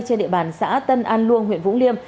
trên địa bàn xã tân an luông huyện vũng liêm